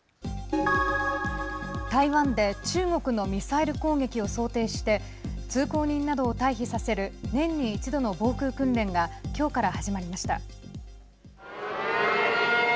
台湾で中国のミサイル攻撃を想定して通行人などを退避させる年に一度の防空訓練がきょうから始まりました。